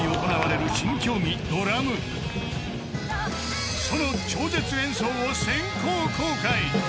［その超絶演奏を先行公開］